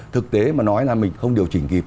thực tế mà nói là mình không điều chỉnh kịp